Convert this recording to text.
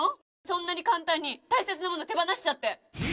そんな簡単に大切なものを手放しちゃって。